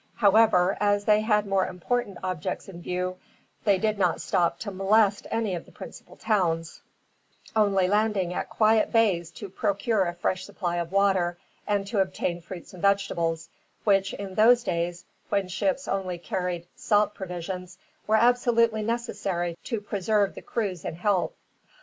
However, as they had more important objects in view, they did not stop to molest any of the principal towns, only landing at quiet bays to procure a fresh supply of water, and to obtain fruit and vegetables, which in those days, when ships only carried salt provisions, were absolutely necessary to preserve the crews in health.